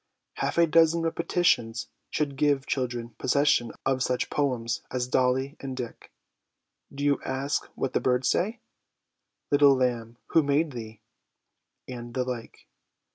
Half a dozen repetitions should give children possession of such poems as 'Dolly and Dick,' 'Do you ask what the birds say?' 'Little lamb, who made thee?' and the like.